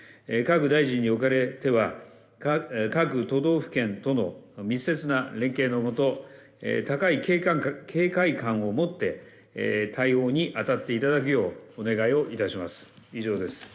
各大臣におかれては、各都道府県との密接な連携の下、高い警戒感をもって対応に当たっていただくようお願いをいたします。